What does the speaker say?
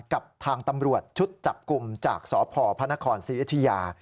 กับทางตำรวจชุดจับกลุ่มจากสพภศิริยธิยา